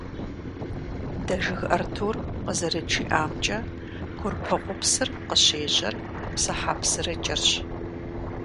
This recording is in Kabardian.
Дэжыг Артур къызэрыджиӀамкӀэ, Курпыгъупсыр къыщежьэр «ПсыхьэпсырыкӀырщ».